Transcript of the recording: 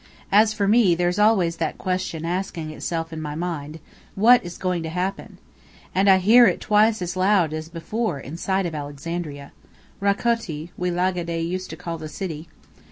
As for me, there's always that question asking itself in my mind: 'What is going to happen?' And I hear it twice as loud as before, in sight of Alexandria. Rakoti, we Lagidae used to call the city."